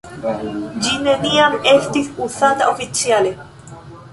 Ĝi neniam estis uzata oficiale.